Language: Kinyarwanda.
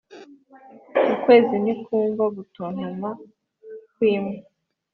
ukwezi ntikwumva gutontoma kw'imbwa.